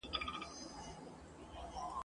د ټولني پراختیا په تعلیم پوري اړه لري.